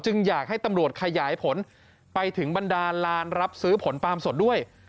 อยากให้ตำรวจขยายผลไปถึงบรรดาลานรับซื้อผลปาล์มสดด้วย